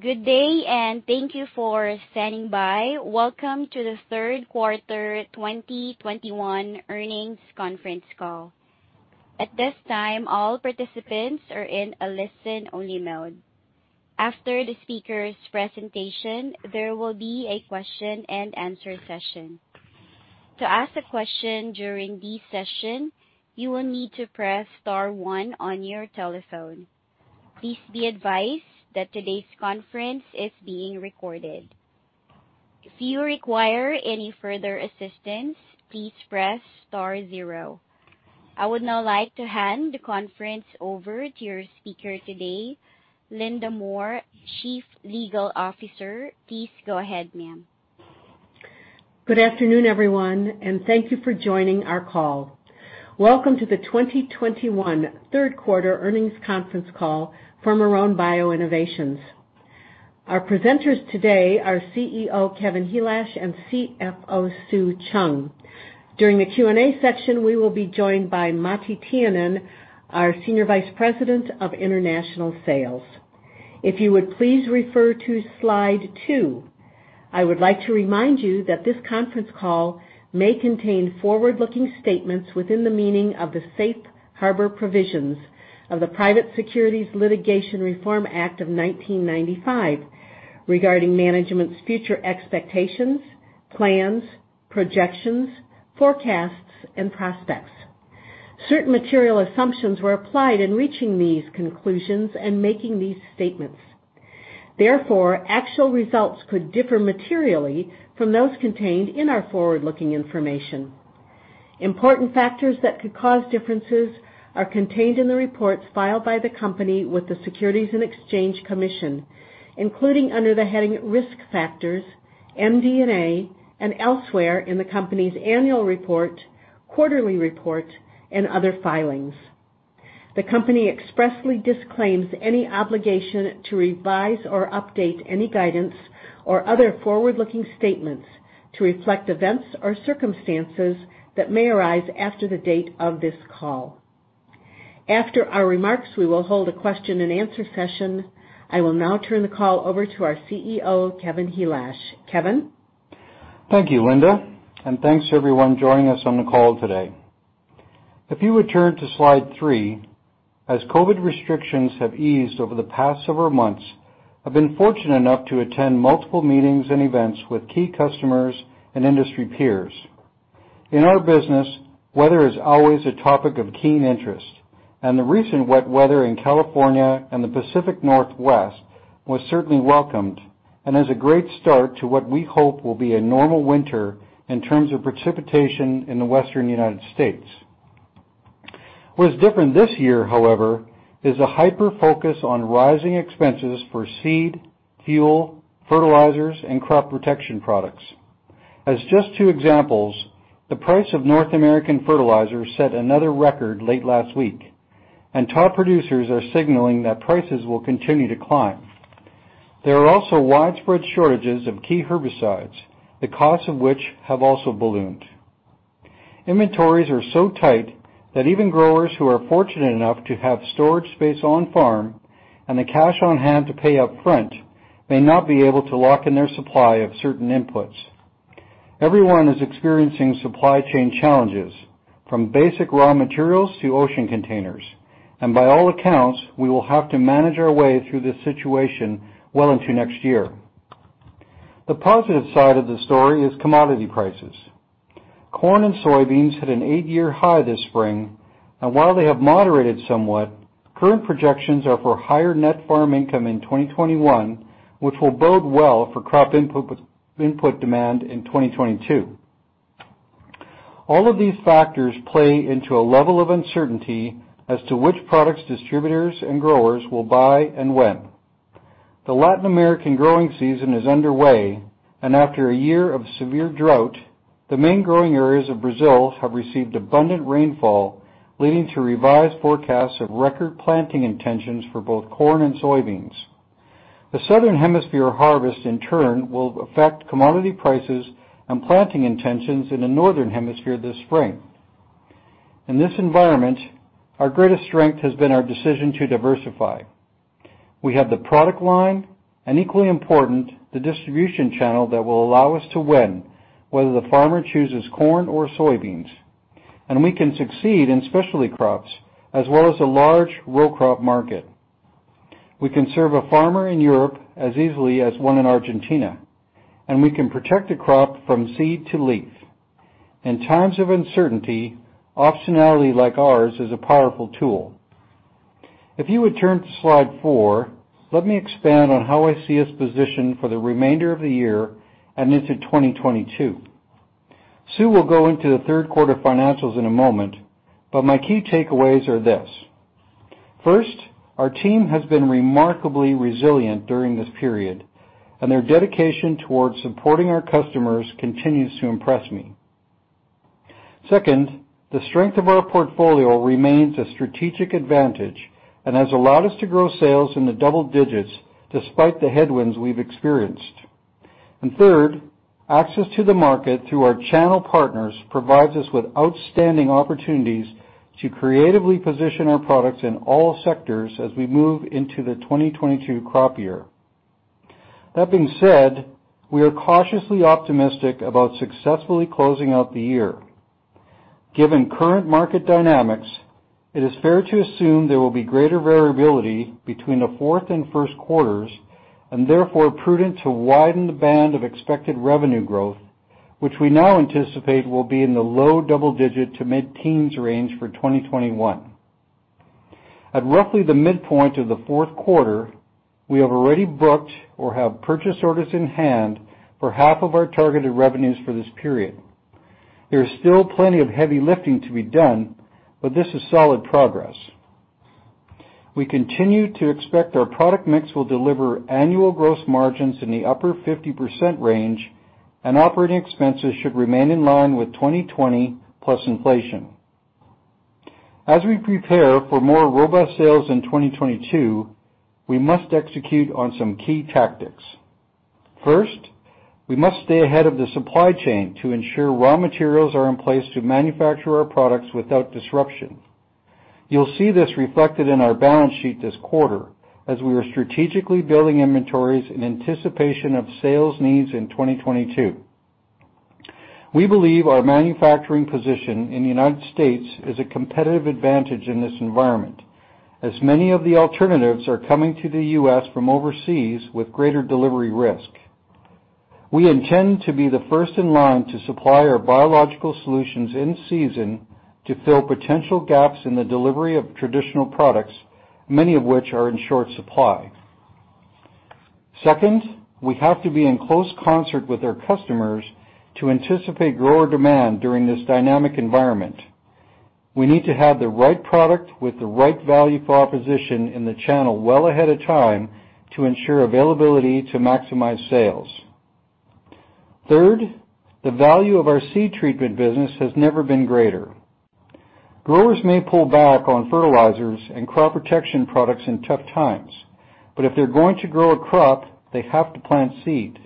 Good day, and thank you for standing by. Welcome to the third quarter 2021 earnings conference call. At this time, all participants are in a listen-only mode. After the speaker's presentation, there will be a question-and-answer session. To ask a question during this session, you will need to press star one on your telephone. Please be advised that today's conference is being recorded. If you require any further assistance, please press star zero. I would now like to hand the conference over to your speaker today, Linda Moore, Chief Legal Officer. Please go ahead, ma'am. Good afternoon, everyone, and thank you for joining our call. Welcome to the 2021 third quarter earnings conference call for Marrone Bio Innovations. Our presenters today are CEO Kevin Helash and CFO Sue Cheung. During the Q&A section, we will be joined by Matti Tiainen, our Senior Vice President of International Sales. If you would please refer to slide two. I would like to remind you that this conference call may contain forward-looking statements within the meaning of the Safe Harbor provisions of the Private Securities Litigation Reform Act of 1995 regarding management's future expectations, plans, projections, forecasts, and prospects. Certain material assumptions were applied in reaching these conclusions and making these statements. Therefore, actual results could differ materially from those contained in our forward-looking information. Important factors that could cause differences are contained in the reports filed by the company with the Securities and Exchange Commission, including under the heading Risk Factors, MD&A, and elsewhere in the company's annual report, quarterly report, and other filings. The company expressly disclaims any obligation to revise or update any guidance or other forward-looking statements to reflect events or circumstances that may arise after the date of this call. After our remarks, we will hold a question-and-answer session. I will now turn the call over to our CEO, Kevin Helash. Kevin? Thank you, Linda. Thanks to everyone joining us on the call today. If you would turn to slide three. As COVID restrictions have eased over the past several months, I've been fortunate enough to attend multiple meetings and events with key customers and industry peers. In our business, weather is always a topic of keen interest, and the recent wet weather in California and the Pacific Northwest was certainly welcomed and is a great start to what we hope will be a normal winter in terms of precipitation in the Western United States. What is different this year, however, is a hyper-focus on rising expenses for seed, fuel, fertilizers, and crop protection products. As just two examples, the price of North American fertilizer set another record late last week, and top producers are signaling that prices will continue to climb. There are also widespread shortages of key herbicides, the costs of which have also ballooned. Inventories are so tight that even growers who are fortunate enough to have storage space on farm and the cash on hand to pay up front may not be able to lock in their supply of certain inputs. Everyone is experiencing supply chain challenges, from basic raw materials to ocean containers, and by all accounts, we will have to manage our way through this situation well into next year. The positive side of the story is commodity prices. Corn and soybeans hit an eight year high this spring, and while they have moderated somewhat, current projections are for higher net farm income in 2021, which will bode well for crop input demand in 2022. All of these factors play into a level of uncertainty as to which products distributors and growers will buy and when. The Latin American growing season is underway, and after a year of severe drought, the main growing areas of Brazil have received abundant rainfall, leading to revised forecasts of record planting intentions for both corn and soybeans. The Southern Hemisphere harvest, in turn, will affect commodity prices and planting intentions in the Northern Hemisphere this spring. In this environment, our greatest strength has been our decision to diversify. We have the product line and, equally important, the distribution channel that will allow us to win, whether the farmer chooses corn or soybeans. We can succeed in specialty crops as well as the large row crop market. We can serve a farmer in Europe as easily as one in Argentina, and we can protect a crop from seed to leaf. In times of uncertainty, optionality like ours is a powerful tool. If you would turn to slide four, let me expand on how I see us positioned for the remainder of the year and into 2022. Sue will go into the third quarter financials in a moment, but my key takeaways are this. First, our team has been remarkably resilient during this period, and their dedication towards supporting our customers continues to impress me. Second, the strength of our portfolio remains a strategic advantage and has allowed us to grow sales in the double digits despite the headwinds we've experienced. Third, access to the market through our channel partners provides us with outstanding opportunities to creatively position our products in all sectors as we move into the 2022 crop year. That being said, we are cautiously optimistic about successfully closing out the year. Given current market dynamics, it is fair to assume there will be greater variability between the fourth and first quarters and therefore prudent to widen the band of expected revenue growth, which we now anticipate will be in the low double digit to mid-teens range for 2021. At roughly the midpoint of the fourth quarter, we have already booked or have purchase orders in-hand for half of our targeted revenues for this period. There is still plenty of heavy lifting to be done, but this is solid progress. We continue to expect our product mix will deliver annual gross margins in the upper 50% range and operating expenses should remain in line with 2020 plus inflation. As we prepare for more robust sales in 2022, we must execute on some key tactics. First, we must stay ahead of the supply chain to ensure raw materials are in place to manufacture our products without disruption. You'll see this reflected in our balance sheet this quarter as we are strategically building inventories in anticipation of sales needs in 2022. We believe our manufacturing position in the United States is a competitive advantage in this environment, as many of the alternatives are coming to the U.S. from overseas with greater delivery risk. We intend to be the first in line to supply our biological solutions in season to fill potential gaps in the delivery of traditional products, many of which are in short supply. Second, we have to be in close concert with our customers to anticipate grower demand during this dynamic environment. We need to have the right product with the right value proposition in the channel well ahead of time to ensure availability to maximize sales. Third, the value of our seed treatment business has never been greater. Growers may pull back on fertilizers and crop protection products in tough times, but if they're going to grow a crop, they have to plant seed.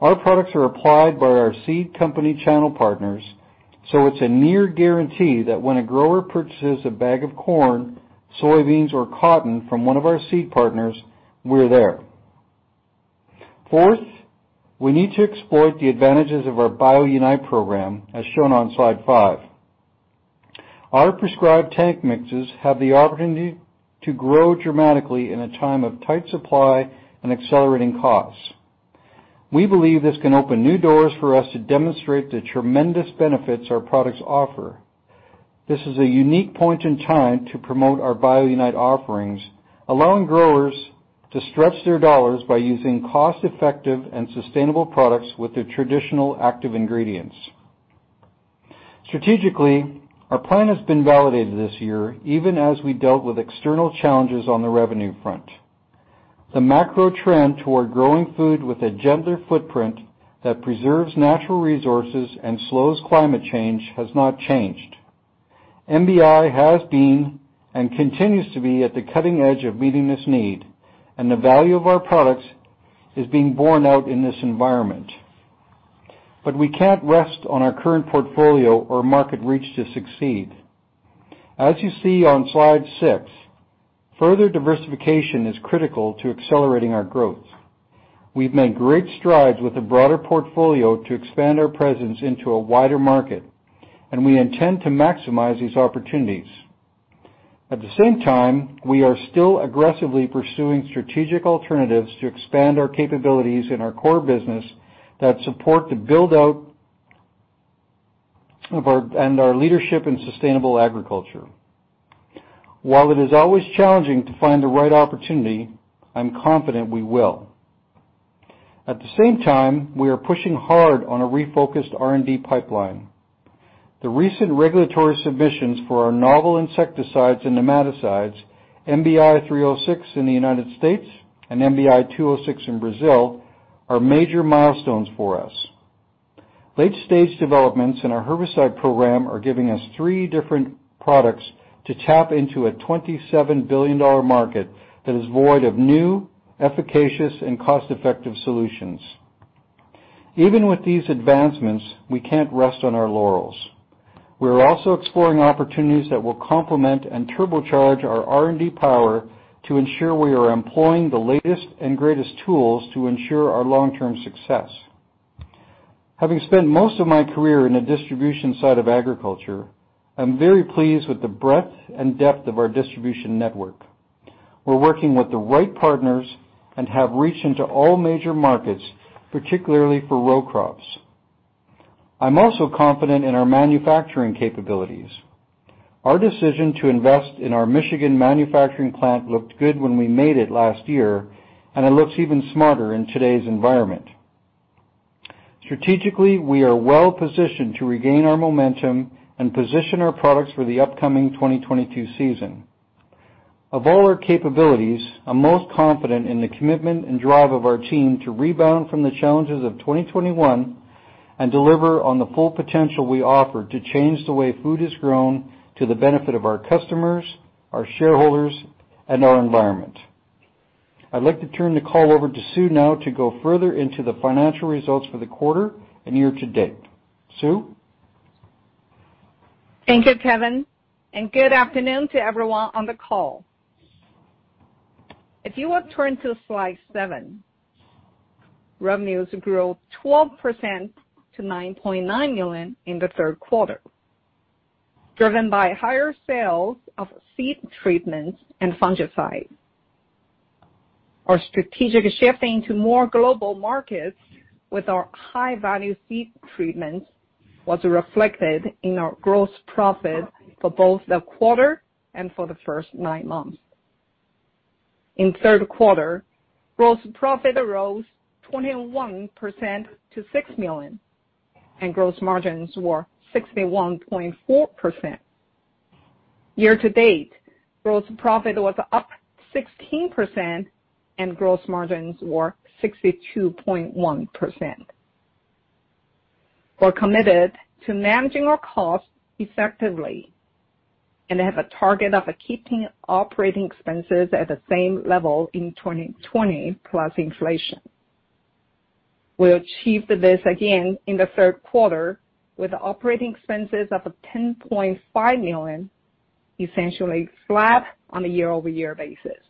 Our products are applied by our seed company channel partners, so it's a near guarantee that when a grower purchases a bag of corn, soybeans, or cotton from one of our seed partners, we're there. Fourth, we need to exploit the advantages of our BioUnite program, as shown on slide five. Our prescribed tank mixes have the opportunity to grow dramatically in a time of tight supply and accelerating costs. We believe this can open new doors for us to demonstrate the tremendous benefits our products offer. This is a unique point in time to promote our BioUnite offerings, allowing growers to stretch their dollars by using cost-effective and sustainable products with the traditional active ingredients. Strategically, our plan has been validated this year, even as we dealt with external challenges on the revenue front. The macro trend toward growing food with a gentler footprint that preserves natural resources and slows climate change has not changed. MBI has been and continues to be at the cutting edge of meeting this need, and the value of our products is being borne out in this environment. We can't rest on our current portfolio or market reach to succeed. As you see on slide six, further diversification is critical to accelerating our growth. We've made great strides with a broader portfolio to expand our presence into a wider market, and we intend to maximize these opportunities. At the same time, we are still aggressively pursuing strategic alternatives to expand our capabilities in our core business that support the build-out of our leadership in sustainable agriculture. While it is always challenging to find the right opportunity, I'm confident we will. At the same time, we are pushing hard on a refocused R&D pipeline. The recent regulatory submissions for our novel insecticides and nematicides, MBI-306 in the United States and MBI-206 in Brazil, are major milestones for us. Late-stage developments in our herbicide program are giving us three different products to tap into a $27 billion market that is void of new, efficacious, and cost-effective solutions. Even with these advancements, we can't rest on our laurels. We're also exploring opportunities that will complement and turbocharge our R&D power to ensure we are employing the latest and greatest tools to ensure our long-term success. Having spent most of my career in the distribution side of agriculture, I'm very pleased with the breadth and depth of our distribution network. We're working with the right partners and have reached into all major markets, particularly for row crops. I'm also confident in our manufacturing capabilities. Our decision to invest in our Michigan manufacturing plant looked good when we made it last year, and it looks even smarter in today's environment. Strategically, we are well-positioned to regain our momentum and position our products for the upcoming 2022 season. Of all our capabilities, I'm most confident in the commitment and drive of our team to rebound from the challenges of 2021 and deliver on the full potential we offer to change the way food is grown to the benefit of our customers, our shareholders, and our environment. I'd like to turn the call over to Sue now to go further into the financial results for the quarter and year-to-date. Sue? Thank you, Kevin, and good afternoon to everyone on the call. If you will turn to slide seven, revenues grew 12% to $9.9 million in the third quarter, driven by higher sales of seed treatments and fungicides. Our strategic shifting to more global markets with our high-value seed treatments was reflected in our gross profit for both the quarter and for the first nine months. In third quarter, gross profit rose 21% to $6 million, and gross margins were 61.4%. Year-to-date, gross profit was up 16%, and gross margins were 62.1%. We're committed to managing our costs effectively and have a target of keeping operating expenses at the same level in 2020 plus inflation. We achieved this again in the third quarter with operating expenses of $10.5 million, essentially flat on a year-over-year basis.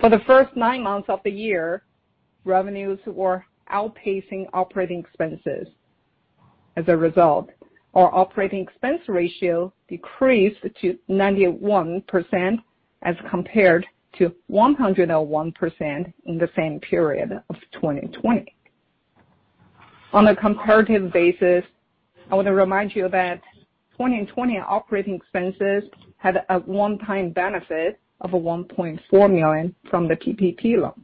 For the first nine months of the year, revenues were outpacing operating expenses. As a result, our operating expense ratio decreased to 91% as compared to 101% in the same period of 2020. On a comparative basis, I want to remind you that 2020 operating expenses had a one-time benefit of $1.4 million from the PPP loan.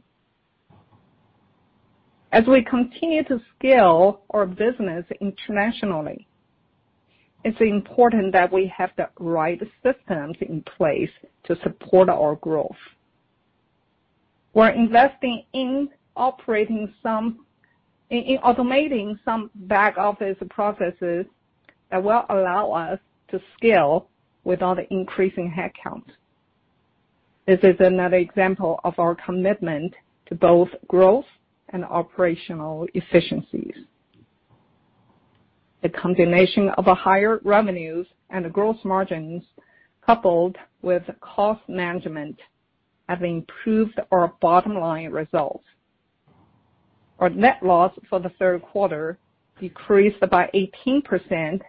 As we continue to scale our business internationally, it's important that we have the right systems in place to support our growth. We're investing in automating some back-office processes that will allow us to scale without increasing headcount. This is another example of our commitment to both growth and operational efficiencies. The combination of higher revenues and gross margins, coupled with cost management, have improved our bottom-line results. Our net loss for the third quarter decreased by 18%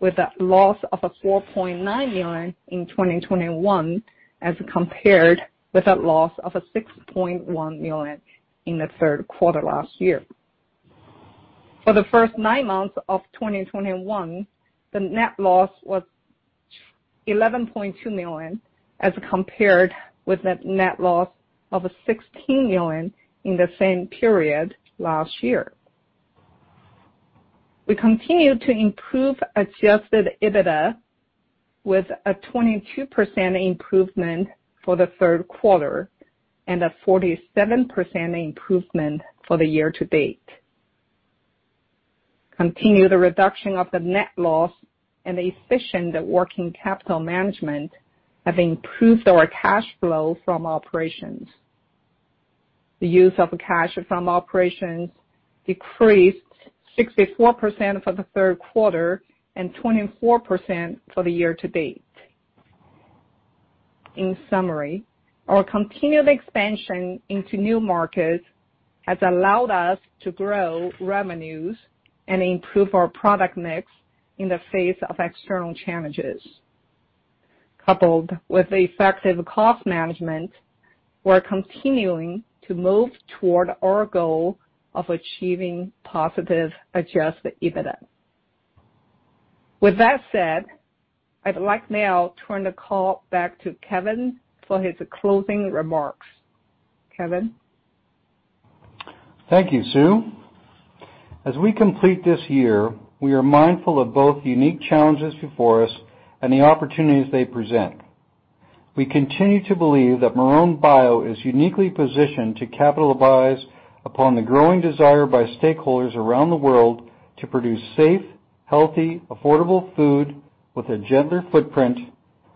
with a loss of $4.9 million in 2021, as compared with a loss of $6.1 million in the third quarter last year. For the first nine months of 2021, the net loss was $11.2 million, as compared with a net loss of $16 million in the same period last year. We continue to improve adjusted EBITDA with a 22% improvement for the third quarter and a 47% improvement for the year-to-date. Continued reduction of the net loss and efficient working capital management have improved our cash flow from operations. The use of cash from operations decreased 64% for the third quarter and 24% for the year-to-date. In summary, our continued expansion into new markets has allowed us to grow revenues and improve our product mix in the face of external challenges. Coupled with effective cost management, we're continuing to move toward our goal of achieving positive adjusted EBITDA. With that said, I'd like to now turn the call back to Kevin for his closing remarks. Kevin? Thank you, Sue. As we complete this year, we are mindful of both the unique challenges before us and the opportunities they present. We continue to believe that Marrone Bio is uniquely positioned to capitalize upon the growing desire by stakeholders around the world to produce safe, healthy, affordable food with a gentler footprint,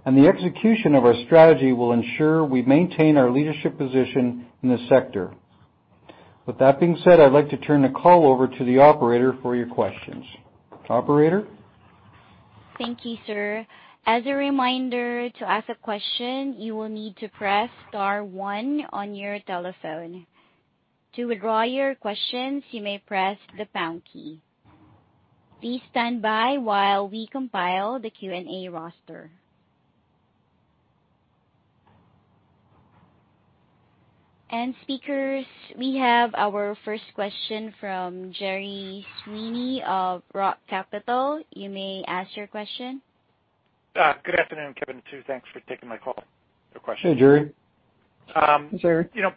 and the execution of our strategy will ensure we maintain our leadership position in the sector. With that being said, I'd like to turn the call over to the operator for your questions. Operator? Thank you, sir. As a reminder, to ask a question, you will need to press star one on your telephone. To withdraw your questions, you may press the pound key. Please stand by while we compile the Q&A roster. Speakers, we have our first question from Gerry Sweeney of Roth Capital. You may ask your question. Good afternoon, Kevin and Sue. Thanks for taking my call. A question. Hey, Gerry. Hey, Gerry. You know,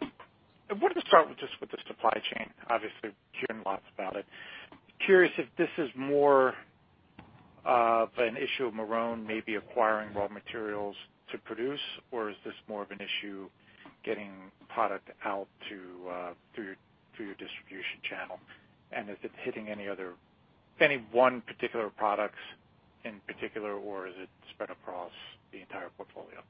I wanted to start with just with the supply chain. Obviously, we're hearing lots about it. Curious if this is more an issue of Marrone maybe acquiring raw materials to produce or is this more of an issue getting product out to through your distribution channel? If it's hitting any one particular products in particular, or is it spread across the entire portfolio?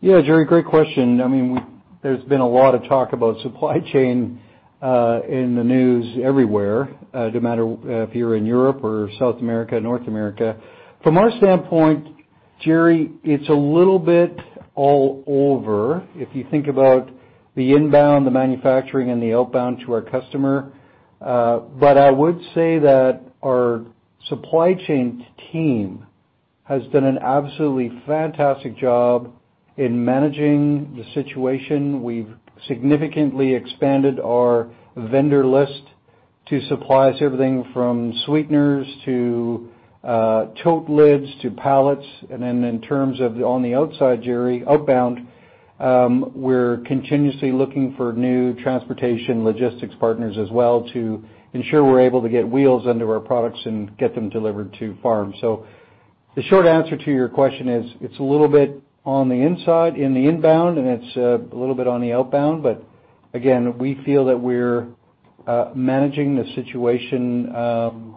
Yeah, Gerry, great question. I mean, there's been a lot of talk about supply chain in the news everywhere, no matter if you're in Europe or South America, North America. From our standpoint, Gerry, it's a little bit all over. If you think about the inbound, the manufacturing, and the outbound to our customer, I would say that our supply chain team has done an absolutely fantastic job in managing the situation. We've significantly expanded our vendor list to supply everything from sweeteners to tote lids to pallets. In terms of outbound, Gerry, we're continuously looking for new transportation logistics partners as well to ensure we're able to get wheels under our products and get them delivered to farm. The short answer to your question is, it's a little bit on the inside, in the inbound, and it's a little bit on the outbound, but again, we feel that we're managing the situation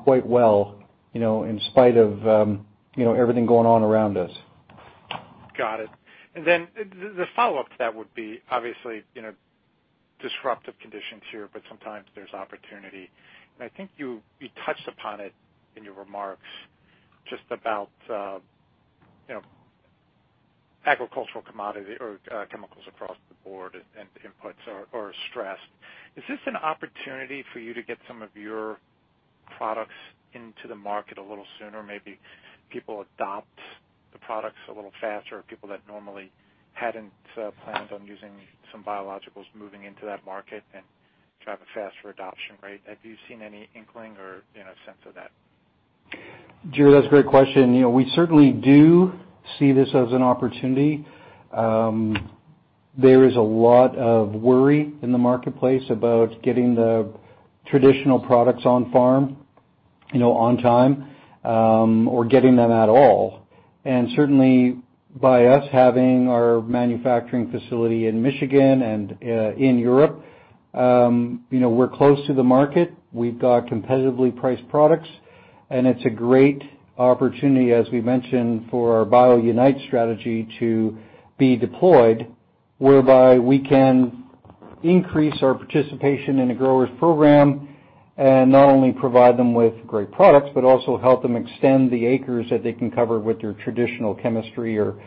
quite well, you know, in spite of you know everything going on around us. Got it. The follow-up to that would be obviously, you know, disruptive conditions here, but sometimes there's opportunity. I think you touched upon it in your remarks just about, you know, agricultural commodity or, chemicals across the board and inputs are stressed. Is this an opportunity for you to get some of your products into the market a little sooner? Maybe people adopt the products a little faster or people that normally hadn't planned on using some biologicals moving into that market and drive a faster adoption rate. Have you seen any inkling or, you know, sense of that? Jerry, that's a great question. You know, we certainly do see this as an opportunity. There is a lot of worry in the marketplace about getting the traditional products on farm, you know, on time, or getting them at all. Certainly by us having our manufacturing facility in Michigan and, in Europe, you know, we're close to the market. We've got competitively priced products, and it's a great opportunity, as we mentioned, for our BioUnite strategy to be deployed, whereby we can increase our participation in a grower's program and not only provide them with great products, but also help them extend the acres that they can cover with their traditional chemistry or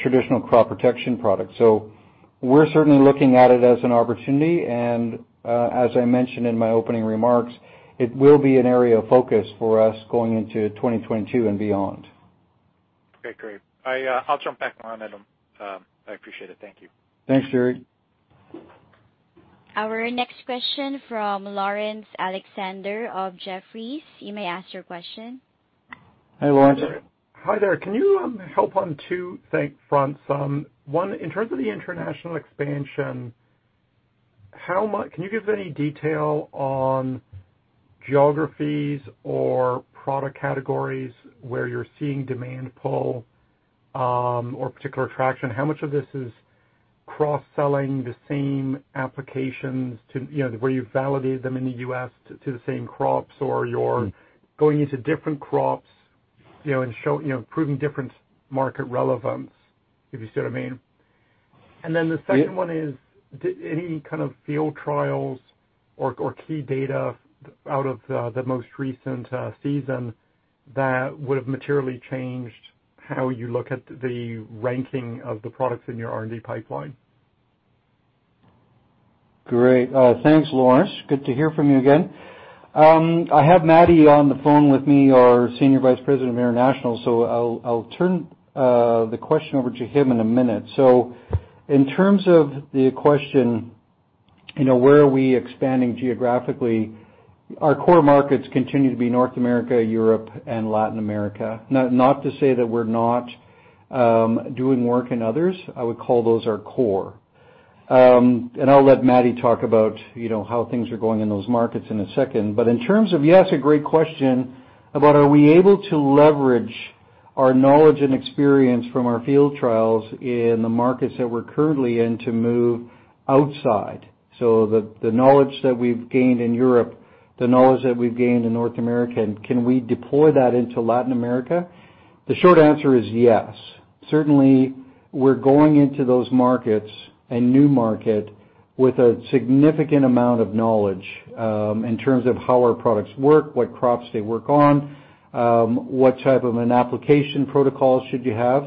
traditional crop protection products. We're certainly looking at it as an opportunity, and as I mentioned in my opening remarks, it will be an area of focus for us going into 2022 and beyond. Okay, great. I'll jump back on then. I appreciate it. Thank you. Thanks, Gerry. Our next question from Laurence Alexander of Jefferies. You may ask your question. Hi, Laurence. Hi there. Can you help on two thing fronts? One, in terms of the international expansion, can you give any detail on geographies or product categories where you're seeing demand pull, or particular traction? How much of this is cross-selling the same applications to, you know, where you validate them in the U.S. to the same crops, or you're going into different crops, you know, and show, you know, proving different market relevance, if you see what I mean. Then the second one is any kind of field trials or key data out of the most recent season that would have materially changed how you look at the ranking of the products in your R&D pipeline. Great. Thanks, Laurence. Good to hear from you again. I have Matti on the phone with me, our Senior Vice President of international. I'll turn the question over to him in a minute. In terms of the question, you know, where are we expanding geographically? Our core markets continue to be North America, Europe, and Latin America. Not to say that we're not doing work in others. I would call those our core. I'll let Matti talk about you know, how things are going in those markets in a second. In terms of, you ask a great question about are we able to leverage our knowledge and experience from our field trials in the markets that we're currently in to move outside. The knowledge that we've gained in Europe, the knowledge that we've gained in North America, can we deploy that into Latin America? The short answer is yes. Certainly, we're going into those markets, a new market with a significant amount of knowledge in terms of how our products work, what crops they work on, what type of an application protocol should you have.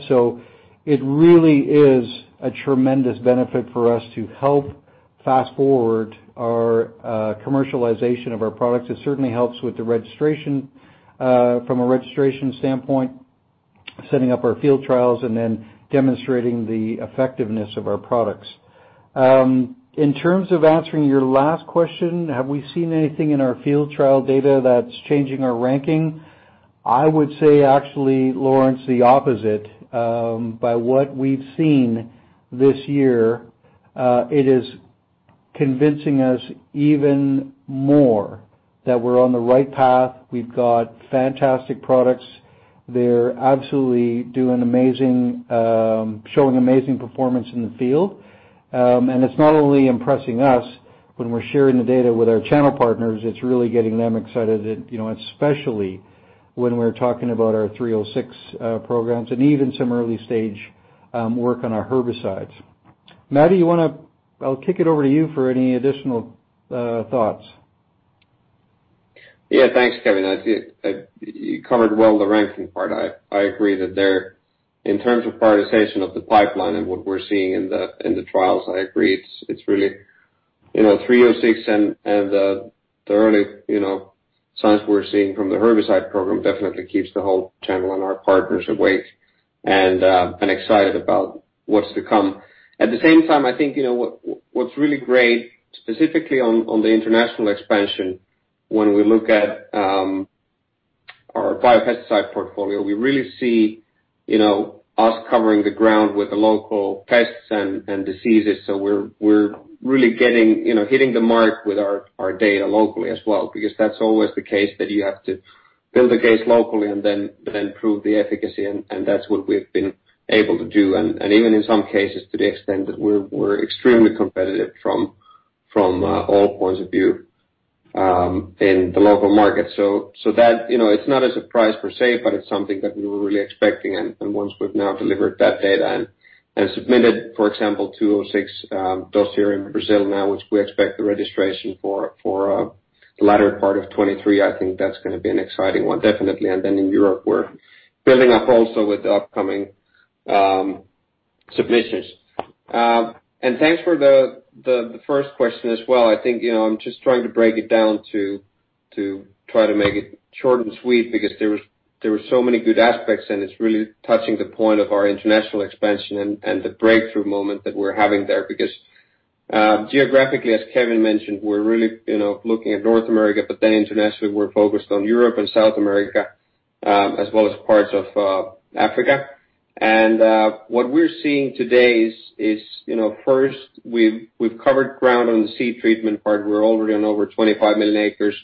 It really is a tremendous benefit for us to help fast-forward our commercialization of our products. It certainly helps with the registration from a registration standpoint, setting up our field trials and then demonstrating the effectiveness of our products. In terms of answering your last question, have we seen anything in our field trial data that's changing our ranking? I would say actually, Laurence, the opposite. By what we've seen this year, it is convincing us even more that we're on the right path. We've got fantastic products. They're absolutely doing amazing, showing amazing performance in the field. It's not only impressing us when we're sharing the data with our channel partners, it's really getting them excited, you know, especially when we're talking about our 306 programs and even some early-stage work on our herbicides. Matti, I'll kick it over to you for any additional thoughts. Yeah. Thanks, Kevin. I think you covered well the ranking part. I agree that there, in terms of prioritization of the pipeline and what we're seeing in the trials, I agree it's really, you know, 306 and the early, you know, signs we're seeing from the herbicide program definitely keeps the whole channel and our partners awake and excited about what's to come. At the same time, I think, you know, what's really great, specifically on the international expansion, when we look at our biopesticide portfolio, we really see, you know, us covering the ground with the local pests and diseases. We're really getting, you know, hitting the mark with our data locally as well, because that's always the case that you have to build the case locally and then prove the efficacy and that's what we've been able to do. Even in some cases, to the extent that we're extremely competitive from all points of view in the local market. That, you know, it's not a surprise per se, but it's something that we were really expecting. Once we've now delivered that data and submitted, for example, MBI-206 dossier here in Brazil now, which we expect the registration for the latter part of 2023, I think that's gonna be an exciting one, definitely. In Europe, we're building up also with the upcoming submissions. Thanks for the first question as well. I think, you know, I'm just trying to break it down to try to make it short and sweet because there were so many good aspects, and it's really touching the point of our international expansion and the breakthrough moment that we're having there. Geographically, as Kevin mentioned, we're really, you know, looking at North America, but then internationally we're focused on Europe and South America, as well as parts of Africa. What we're seeing today is, you know, first we've covered ground on the seed treatment part. We're already on over 25 million acres.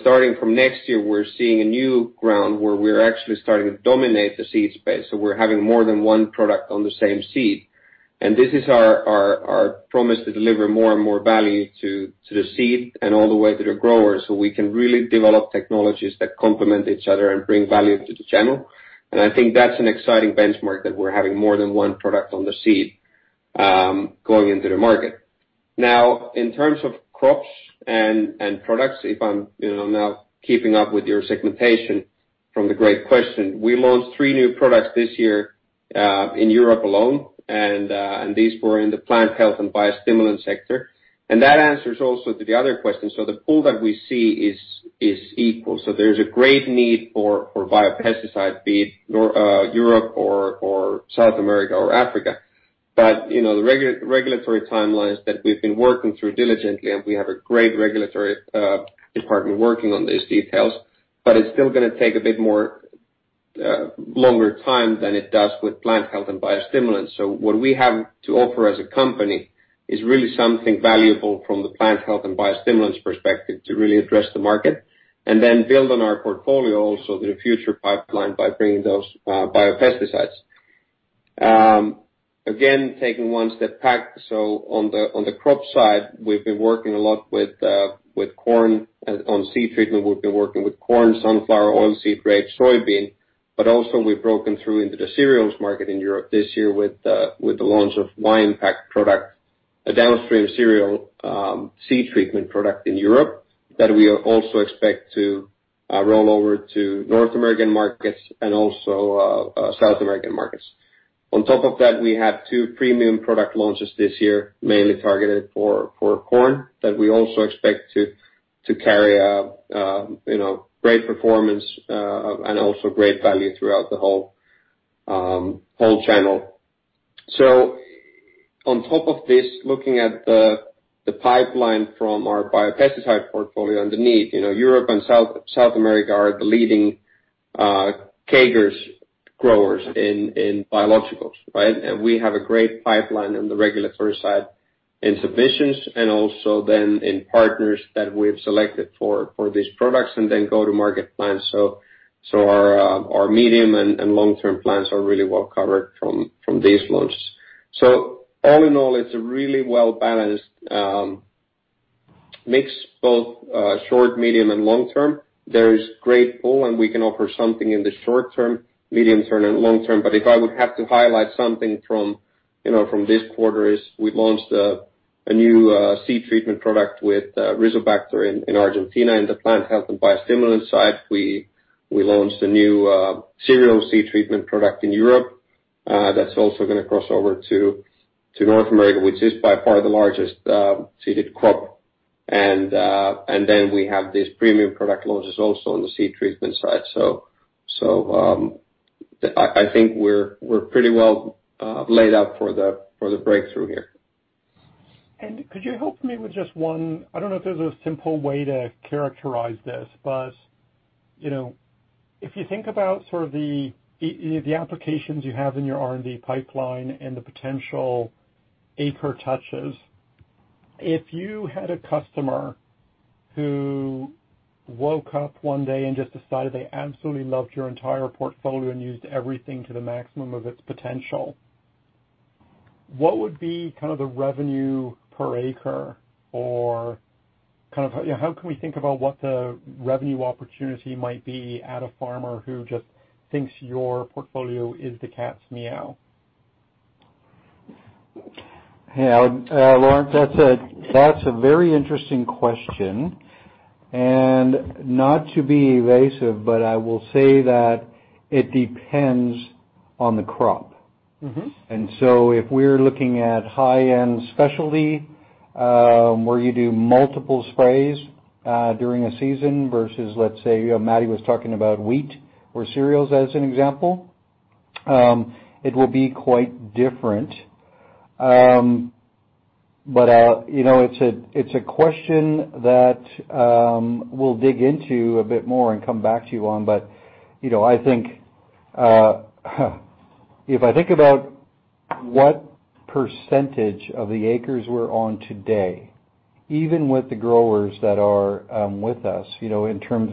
Starting from next year, we're seeing a new ground where we're actually starting to dominate the seed space, so we're having more than one product on the same seed. This is our promise to deliver more and more value to the seed and all the way to the growers so we can really develop technologies that complement each other and bring value to the channel. I think that's an exciting benchmark that we're having more than one product on the seed going into the market. Now in terms of crops and products, if I'm you know now keeping up with your segmentation from the great question, we launched three new products this year in Europe alone, and these were in the plant health and biostimulant sector. That answers also to the other question. The pool that we see is equal. There's a great need for biopesticide, be it Europe or South America or Africa. You know, the regulatory timelines that we've been working through diligently, and we have a great regulatory department working on these details, but it's still gonna take a bit more longer time than it does with plant health and biostimulants. What we have to offer as a company is really something valuable from the plant health and biostimulants perspective to really address the market, and then build on our portfolio also in the future pipeline by bringing those biopesticides. Again, taking one step back. On the crop side, we've been working a lot with corn. On seed treatment, we've been working with corn, sunflower, oilseed, grape, soybean, but also we've broken through into the cereals market in Europe this year with the launch of Ympact product, a downstream cereal seed treatment product in Europe that we also expect to roll over to North American markets and also South American markets. On top of that, we have two premium product launches this year, mainly targeted for corn, that we also expect to carry a you know great performance and also great value throughout the whole channel. On top of this, looking at the pipeline from our biopesticide portfolio underneath, you know, Europe and South America are the leading CAGR growers in biologicals, right? We have a great pipeline on the regulatory side in submissions and also then in partners that we've selected for these products and then go-to-market plans. So our medium and long-term plans are really well covered from these launches. So all in all, it's a really well-balanced mix, both short, medium, and long term. There is great pull, and we can offer something in the short term, medium term, and long term. But if I would have to highlight something from, you know, from this quarter is we launched a new seed treatment product with Rizobacter in Argentina. In the plant health and biostimulant side, we launched a new cereal seed treatment product in Europe, that's also gonna cross over to North America, which is by far the largest seeded crop. We have these premium product launches also on the seed treatment side. I think we're pretty well laid out for the breakthrough here. Could you help me with just one. I don't know if there's a simple way to characterize this. You know, if you think about sort of the applications you have in your R&D pipeline and the potential acre touches, if you had a customer who woke up one day and just decided they absolutely loved your entire portfolio and used everything to the maximum of its potential, what would be kind of the revenue per acre? Or kind of, you know, how can we think about what the revenue opportunity might be at a farmer who just thinks your portfolio is the cat's meow? Yeah. Laurence, that's a very interesting question. Not to be evasive, but I will say that it depends on the crop. If we're looking at high-end specialty, where you do multiple sprays during a season versus, let's say, you know, Matti was talking about wheat or cereals as an example, it will be quite different. You know, it's a question that we'll dig into a bit more and come back to you on. You know, I think if I think about what percentage of the acres we're on today, even with the growers that are with us, you know, in terms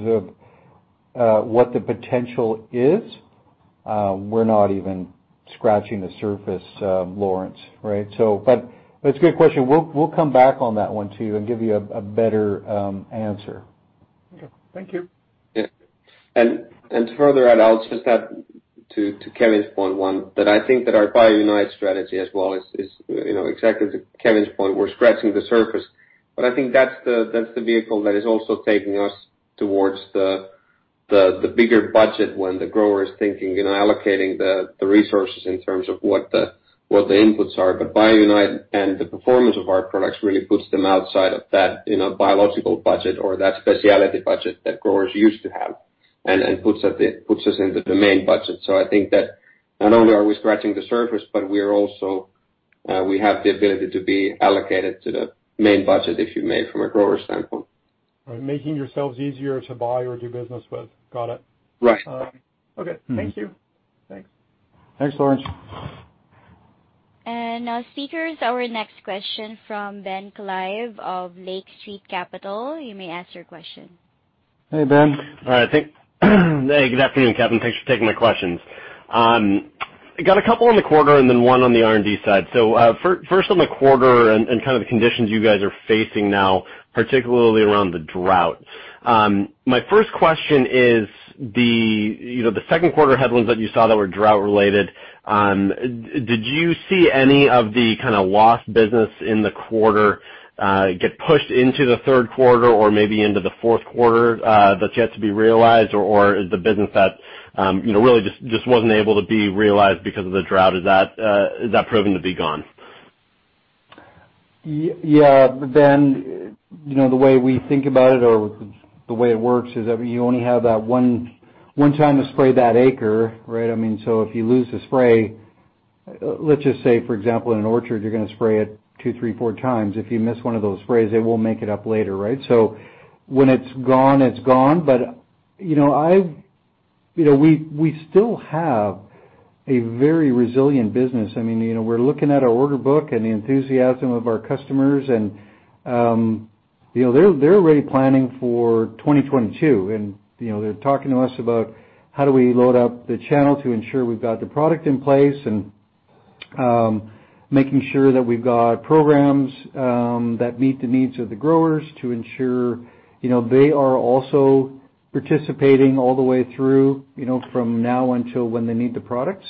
of what the potential is, we're not even scratching the surface, Laurence, right? That's a good question. We'll come back on that one too and give you a better answer. Okay. Thank you. Yeah. To further add, I'll just add to Kevin's point one, that I think that our BioUnite strategy as well is, you know, exactly to Kevin's point. We're scratching the surface. I think that's the vehicle that is also taking us towards the bigger budget when the grower is thinking and allocating the resources in terms of what the inputs are. BioUnite and the performance of our products really puts them outside of that, you know, biological budget or that specialty budget that growers used to have and puts us into the main budget. I think that not only are we scratching the surface, but we're also we have the ability to be allocated to the main budget, if you may, from a grower standpoint. Right. Making yourselves easier to buy or do business with. Got it. Right. Okay. Thank you. Thanks. Thanks, Laurence. Our next question is from Ben Klieve of Lake Street Capital Markets. You may ask your question. Hey, Ben. All right. Hey, good afternoon, Kevin. Thanks for taking my questions. I got a couple on the quarter and then one on the R&D side. First on the quarter and kind of the conditions you guys are facing now, particularly around the drought. My first question is, you know, the second quarter headlines that you saw that were drought related. Did you see any of the kinda lost business in the quarter get pushed into the third quarter or maybe into the fourth quarter that's yet to be realized? Is the business that you know really just wasn't able to be realized because of the drought proven to be gone? Yeah, Ben, you know, the way we think about it or the way it works is that you only have that one time to spray that acre, right? I mean, if you lose a spray, let's just say, for example, in an orchard, you're gonna spray it two, three, four times. If you miss one of those sprays, they won't make it up later, right? When it's gone, it's gone. You know, we still have a very resilient business. I mean, you know, we're looking at our order book and the enthusiasm of our customers and, you know, they're already planning for 2022. You know, they're talking to us about how do we load up the channel to ensure we've got the product in place, and making sure that we've got programs that meet the needs of the growers to ensure, you know, they are also participating all the way through, you know, from now until when they need the product.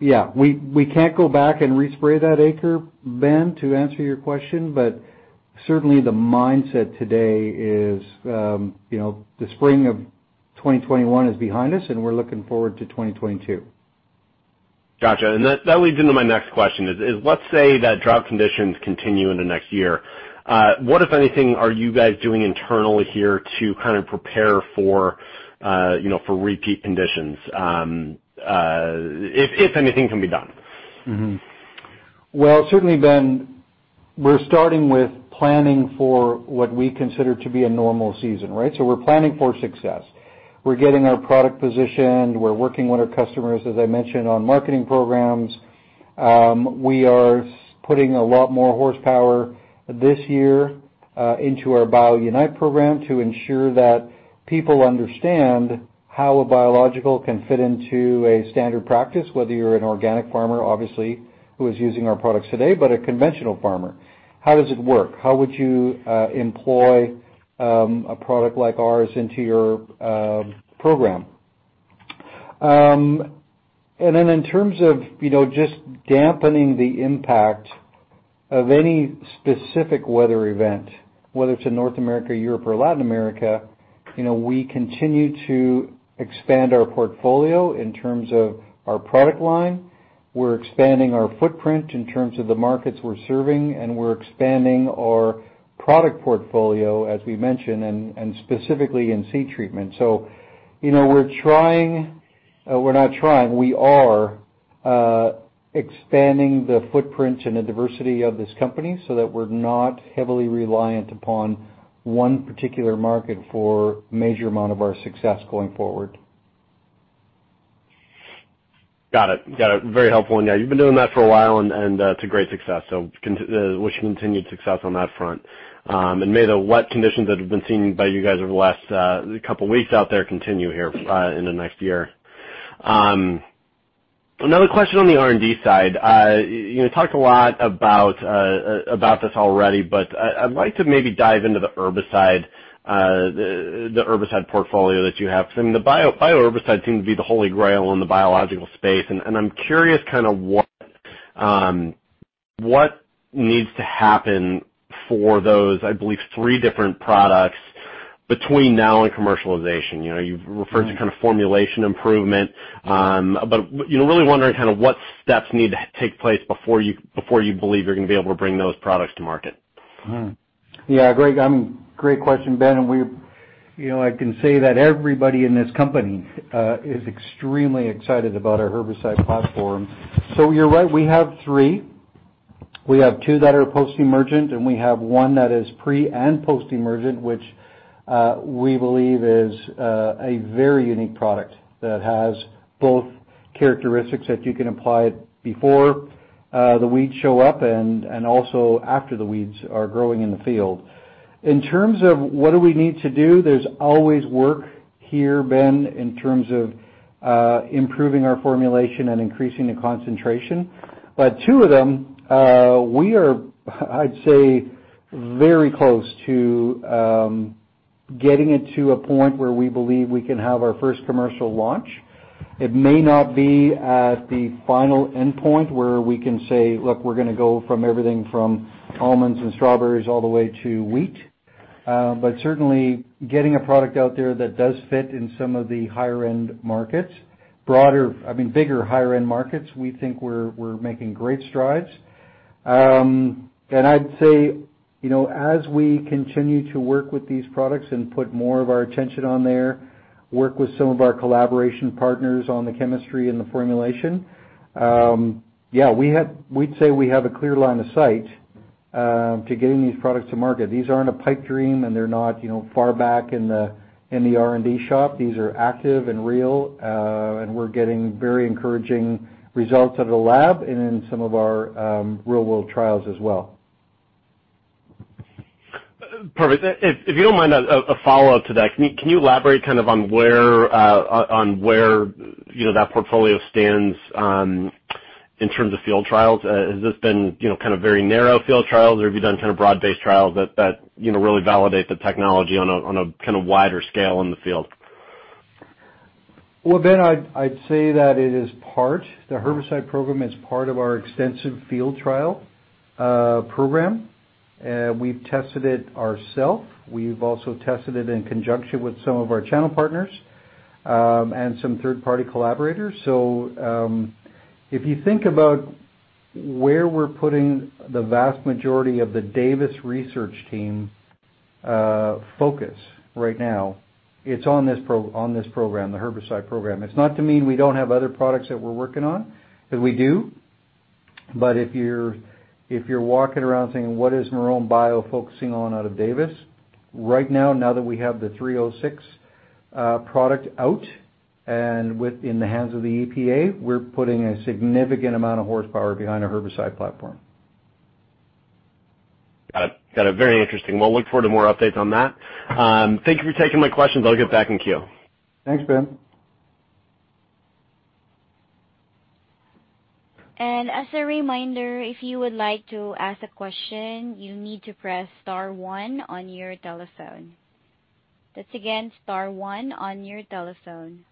Yeah, we can't go back and respray that acre, Ben, to answer your question, but certainly the mindset today is, you know, the spring of 2021 is behind us, and we're looking forward to 2022. Gotcha. That leads into my next question is, let's say that drought conditions continue into next year. What, if anything, are you guys doing internally here to kind of prepare for, you know, for repeat conditions, if anything can be done? Well, certainly, Ben, we're starting with planning for what we consider to be a normal season, right? We're planning for success. We're getting our product positioned. We're working with our customers, as I mentioned, on marketing programs. We are putting a lot more horsepower this year into our BioUnite program to ensure that people understand how a biological can fit into a standard practice, whether you're an organic farmer, obviously, who is using our products today, but a conventional farmer. How does it work? How would you employ a product like ours into your program? Then in terms of, you know, just dampening the impact of any specific weather event, whether it's in North America, Europe or Latin America, you know, we continue to expand our portfolio in terms of our product line. We're expanding our footprint in terms of the markets we're serving, and we're expanding our product portfolio as we mentioned, and specifically in seed treatment. You know, we're not trying. We are expanding the footprint and the diversity of this company so that we're not heavily reliant upon one particular market for a major amount of our success going forward. Got it. Very helpful. Yeah, you've been doing that for a while, and it's a great success. Wish you continued success on that front. May the wet conditions that have been seen by you guys over the last couple weeks out there continue here in the next year. Another question on the R&D side. You know, talked a lot about this already, but I'd like to maybe dive into the herbicide portfolio that you have. 'Cause I mean, the bio-herbicide seems to be the holy grail in the biological space. I'm curious kinda what needs to happen for those, I believe, three different products between now and commercialization. You know, you've referred to kind of formulation improvement, but, you know, really wondering kinda what steps need to take place before you believe you're gonna be able to bring those products to market. Great question, Ben. You know, I can say that everybody in this company is extremely excited about our herbicide platform. You're right, we have three. We have two that are post-emergent, and we have one that is pre- and post-emergent which we believe is a very unique product that has both characteristics that you can apply it before the weeds show up and also after the weeds are growing in the field. In terms of what do we need to do, there's always work here, Ben, in terms of improving our formulation and increasing the concentration. Two of them we are, I'd say, very close to getting it to a point where we believe we can have our first commercial launch. It may not be at the final endpoint where we can say, "Look, we're gonna go from everything from almonds and strawberries all the way to wheat." Certainly getting a product out there that does fit in some of the higher-end markets, broader, I mean, bigger, higher end markets, we think we're making great strides. I'd say, you know, as we continue to work with these products and put more of our attention on there, work with some of our collaboration partners on the chemistry and the formulation, yeah, we'd say we have a clear line of sight to getting these products to market. These aren't a pipe dream, and they're not, you know, far back in the R&D shop. These are active and real, and we're getting very encouraging results out of the lab and in some of our real world trials as well. Perfect. If you don't mind, a follow-up to that. Can you elaborate kind of on where, you know, that portfolio stands in terms of field trials? Has this been, you know, kind of very narrow field trials, or have you done kind of broad-based trials that, you know, really validate the technology on a kind of wider scale in the field? Well, Ben, I'd say that it is part. The herbicide program is part of our extensive field trial program. We've tested it ourselves. We've also tested it in conjunction with some of our channel partners and some third-party collaborators. If you think about where we're putting the vast majority of the Davis research team focus right now, it's on this program, the herbicide program. It's not to mean we don't have other products that we're working on, 'cause we do. If you're walking around saying, "What is Marrone Bio focusing on out of Davis?" Right now that we have the 306 product out and in the hands of the EPA, we're putting a significant amount of horsepower behind our herbicide platform. Got it. Very interesting. Well, look forward to more updates on that. Thank you for taking my questions. I'll get back in queue. Thanks, Ben. As a reminder, if you would like to ask a question, you need to press star one on your telephone. That's again, star one on your telephone.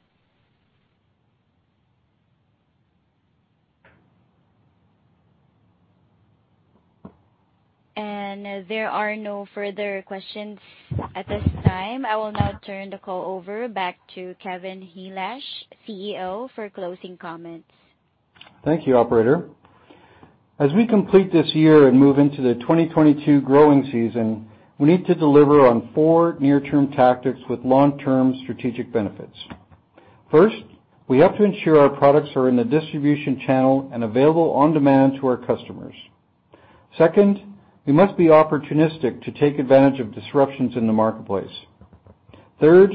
There are no further questions at this time. I will now turn the call over back to Kevin Helash, CEO, for closing comments. Thank you, operator. As we complete this year and move into the 2022 growing season, we need to deliver on four near-term tactics with long-term strategic benefits. First, we have to ensure our products are in the distribution channel and available on demand to our customers. Second, we must be opportunistic to take advantage of disruptions in the marketplace. Third,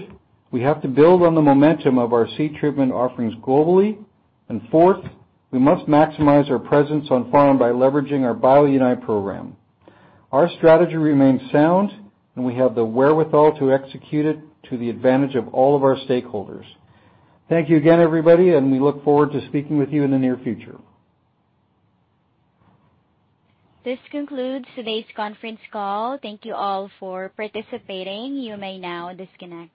we have to build on the momentum of our seed treatment offerings globally. Fourth, we must maximize our presence on farm by leveraging our BioUnite program. Our strategy remains sound, and we have the wherewithal to execute it to the advantage of all of our stakeholders. Thank you again, everybody, and we look forward to speaking with you in the near future. This concludes today's conference call. Thank you all for participating. You may now disconnect.